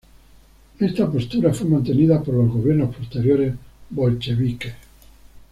Esta postura fue mantenida por los gobiernos posteriores bolcheviques.